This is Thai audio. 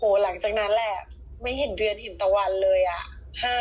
หลังจากนั้นแหละไม่เห็นเดือนเห็นตะวันเลยอ่ะ